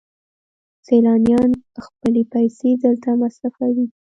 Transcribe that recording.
سیلانیان خپلې پیسې دلته مصرفوي.